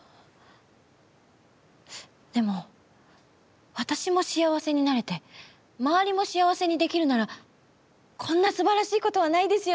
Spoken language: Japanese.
でも私も幸せになれて周りも幸せにできるならこんなすばらしいことはないですよね。